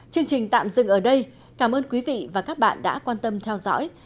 chương trình tạm dừng ở đây cảm ơn quý vị và các bạn đã quan tâm theo dõi